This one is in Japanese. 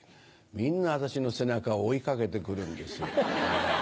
みんな私の背中を追い掛けて来るんですよええ。